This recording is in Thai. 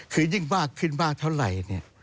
คือยิ่งมากขึ้นมากเท่าไร